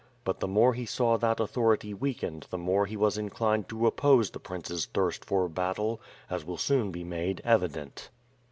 But the more he saw that authority weakened the more he was inclined to oppose the prince's thirst for battle, as will soon be made evident.